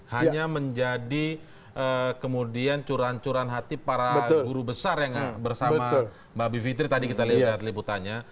hanya menjadi kemudian curan curan hati para guru besar yang bersama mbak bivitri tadi kita lihat liputannya